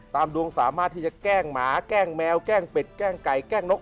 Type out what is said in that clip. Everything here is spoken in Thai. ดวงสามารถที่จะแกล้งหมาแกล้งแมวแกล้งเป็ดแกล้งไก่แกล้งนก